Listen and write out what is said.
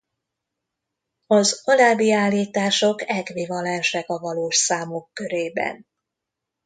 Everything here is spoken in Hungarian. Az alábbi állítások ekvivalensek a valós számok körében.